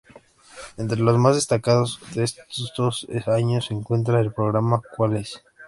Entre lo más destacado de estos años, se encuentra el programa "¿Cuál es?